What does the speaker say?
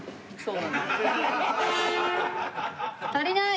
足りない？